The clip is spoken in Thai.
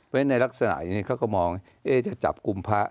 แต่ในลักษณะยังงี้เขาก็มองเอ๊จะจับกุมพระ